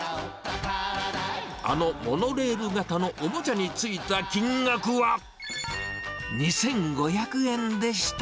あのモノレール型のおもちゃについた金額は、２５００円でした。